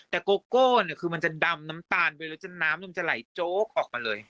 แต่โกโก้เนี่ยคือมันจะดำน้ำตาลไปแล้วน้ำมันจะไหลโจ๊กออกมาเลย